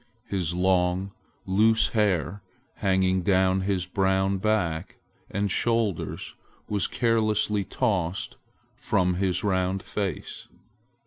His long, loose hair hanging down his brown back and shoulders was carelessly tossed from his round face.